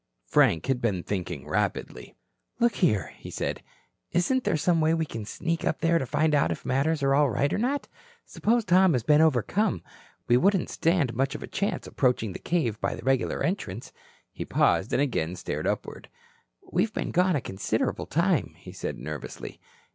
Frank had been thinking rapidly. "Look here," he said, "isn't there some way we can sneak up there to find out if matters are all right or not? Suppose Tom has been overcome. We wouldn't stand much chance approaching the cave by the regular entrance." He paused and again stared upward. "We've been gone a considerable time," he said nervously.